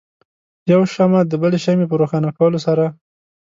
یو شمع د بلې شمعې په روښانه کولو سره.